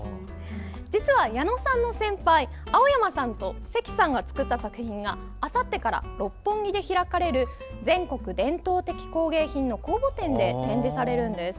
実は、矢野さんの先輩青山さんと関さんが作った作品があさってから六本木で開かれる全国伝統的工芸品の公募展で展示されるんです。